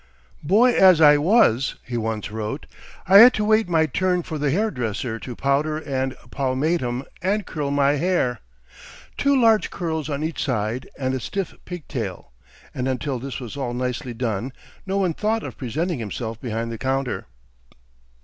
"Boy as I was," he once wrote, "I had to wait my turn for the hair dresser to powder and pomatum and curl my hair two large curls on each side and a stiff pigtail. And until this was all nicely done no one thought of presenting himself behind the counter."